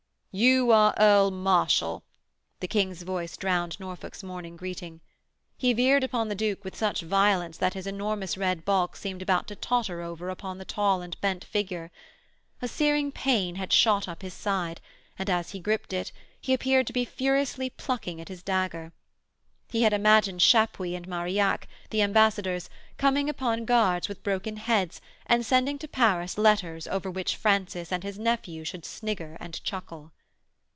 'You are Earl Marshal,' the King's voice drowned Norfolk's morning greeting. He veered upon the Duke with such violence that his enormous red bulk seemed about to totter over upon the tall and bent figure. A searing pain had shot up his side, and, as he gripped it, he appeared to be furiously plucking at his dagger. He had imagined Chapuys and Marillac, the Ambassadors, coming upon guards with broken heads and sending to Paris letters over which Francis and his nephew should snigger and chuckle.